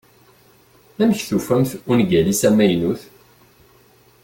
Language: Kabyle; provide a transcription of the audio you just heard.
Amek tufamt ungal-is amaynut?